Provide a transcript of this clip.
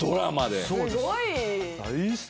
すごい！